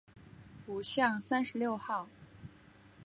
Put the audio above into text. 五巷三十六号